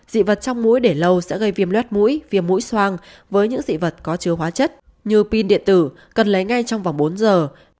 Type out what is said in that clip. dị vật trong muối để lâu sẽ gây viêm luet mũi viêm mũi soang với những dị vật có chứa hóa chất như pin điện tử cần lấy ngay trong vòng bốn giờ